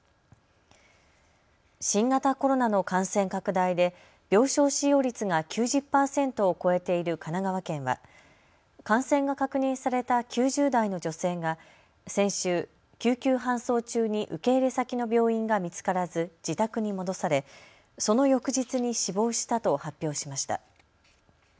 新型コロナの感染拡大で病床使用率が９０％を超えている神奈川県は感染が確認された９０代の女性が先週、救急搬送中に受け入れ先の病院が見つからず自宅に戻されその翌日に死亡したと発表しました。